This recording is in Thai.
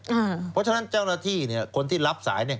เพราะฉะนั้นเจ้าหน้าที่คนที่รับสาย